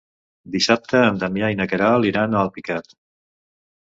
Dissabte en Damià i na Queralt iran a Alpicat.